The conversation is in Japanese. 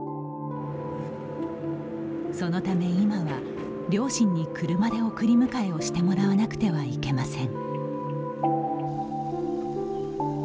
そのため今は両親に車で送り迎えをしてもらわなくてはいけません。